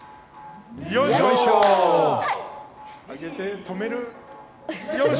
上げて、止める。